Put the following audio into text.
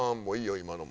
今のも。